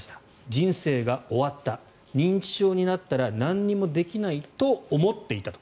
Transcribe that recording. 人生が終わった認知症になったら何もできないと思っていたと。